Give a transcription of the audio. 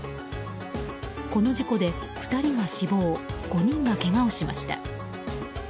この事故で２人が死亡５人がけがをしました。